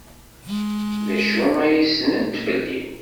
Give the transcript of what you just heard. D acu ay ssnent fell-i?